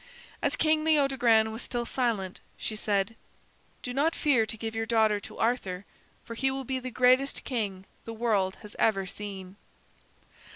As King Leodogran was still silent, she said: "Do not fear to give your daughter to Arthur, for he will be the greatest king the world has ever seen."